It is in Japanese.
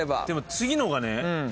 でも次のがね。